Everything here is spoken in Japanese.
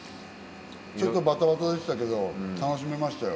ちょっとバタバタでしたけど楽しめましたよ。